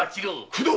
工藤！